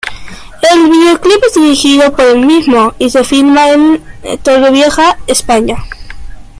El videoclip es dirigido por el mismo y se filma en Torrevieja, España.